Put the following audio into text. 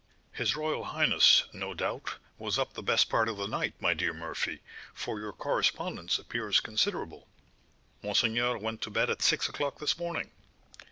"His royal highness, no doubt, was up the best part of the night, my dear Murphy, for your correspondence appears considerable?" "Monseigneur went to bed at six o'clock this morning.